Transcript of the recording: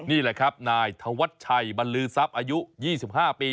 นี่แหละครับนายธวัชชัยบรรลือทรัพย์อายุ๒๕ปี